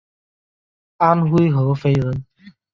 安徽合肥人。